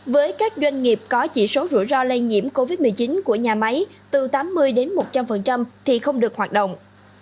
với các doanh nghiệp có chỉ số rủi ro lây nhiễm covid một mươi chín của nhà máy từ tám mươi đến một trăm linh thì không được hoạt động